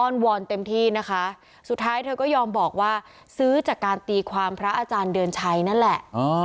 วอนเต็มที่นะคะสุดท้ายเธอก็ยอมบอกว่าซื้อจากการตีความพระอาจารย์เดือนชัยนั่นแหละ